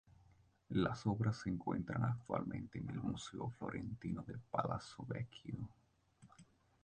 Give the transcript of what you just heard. Las obras se encuentran actualmente en el museo florentino del Palazzo Vecchio.